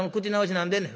何でんねん。